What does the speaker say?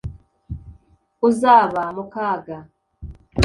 uzaba mu kaga